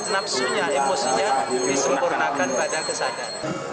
nafsunya emosinya disempurnakan pada kesadaran